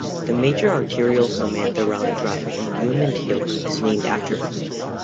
The major arterial Samantha Riley Drive in Beaumont Hills is named after her.